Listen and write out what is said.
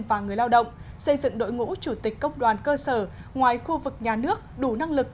và người lao động xây dựng đội ngũ chủ tịch cốc đoàn cơ sở ngoài khu vực nhà nước đủ năng lực